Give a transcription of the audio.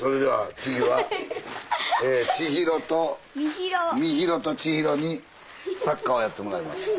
美優と千優にサッカーをやってもらいます。